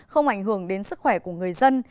không ảnh hưởng đến sức khỏe của người dân